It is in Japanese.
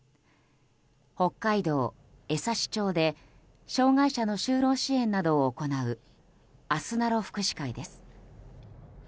北海道江差町で障害者の就労支援などを行うあすなろ福祉会です。